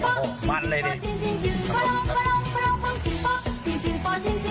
อย่างนี้ผมต้องทำใดดีครับ